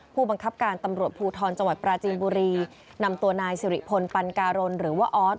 ผู้บังคับการตำรวจภูทรจังหวัดปราจีนบุรีนำตัวนายสิริพลปันการนหรือว่าออส